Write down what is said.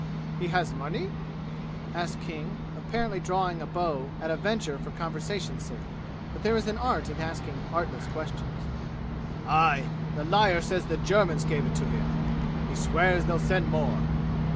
"Has he money?" asked King, apparently drawing a bow at a venture for conversation's sake. But there is an art in asking artless questions. "Aye! The liar says the Germans gave it to him! He swears they will send more.